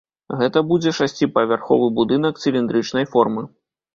Гэта будзе шасціпавярховы будынак цыліндрычнай формы.